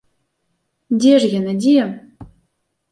Дзе ж яна, дзе?